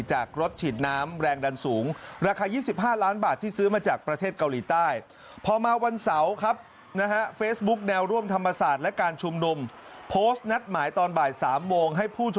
จากรถฉีดน้ำแรงดันสูง